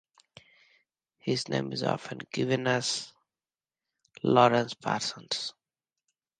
His name is often given as Laurence Parsons.